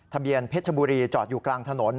ทะเบียนเพชรชบุรีจอดอยู่กลางถนน